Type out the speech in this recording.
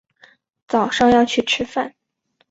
早上要去吃饭